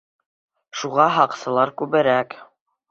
Шуға һаҡсылар күберәк.